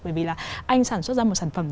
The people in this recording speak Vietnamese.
bởi vì là anh sản xuất ra một sản phẩm